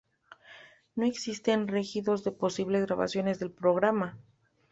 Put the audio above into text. No existen registros de posibles grabaciones del programa.